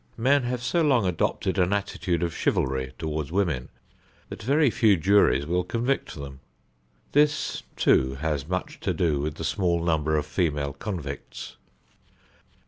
Men have so long adopted an attitude of chivalry toward women that very few juries will convict them. This too has much to do with the small number of female convicts.